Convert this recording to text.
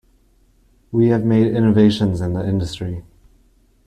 We have made innovations in the industry.